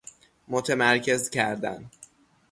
متمرکز کردن